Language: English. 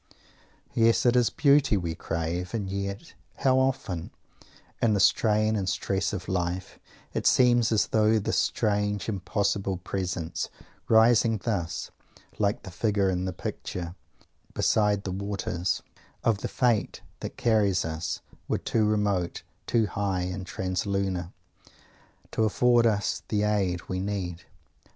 Yes, it is Beauty we crave, and yet, how often, in the strain and stress of life, it seems as though this strange impossible Presence, rising thus, like that figure in the Picture, "beside the waters" of the fate that carries us, were too remote, too high and translunar, to afford us the aid we need.